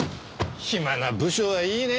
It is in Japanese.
暇な部署はいいね。